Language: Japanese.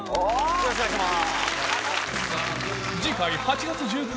よろしくお願いします。